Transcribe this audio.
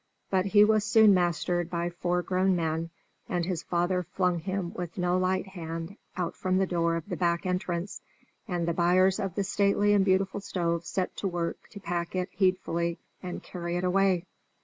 But he was soon mastered by four grown men, and his father flung him with no light hand out from the door of the back entrance, and the buyers of the stately and beautiful stove set to work to pack it heedfully and carry it away.